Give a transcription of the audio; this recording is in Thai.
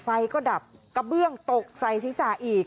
ไฟก็ดับกระเบื้องตกใส่ศีรษะอีก